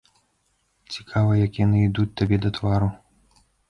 Цікава, як яны ідуць табе да твару?